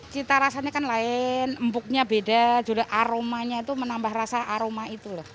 cita rasanya kan lain empuknya beda juga aromanya itu menambah rasa aroma itu loh